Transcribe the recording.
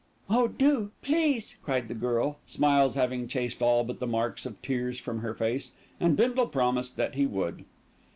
"Oh, do, please!" cried the girl, smiles having chased all but the marks of tears from her face, and Bindle promised that he would.